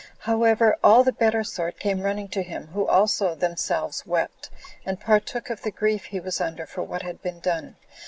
However, all the better sort came running to him, who also themselves wept, and partook of the grief he was under for what had been done.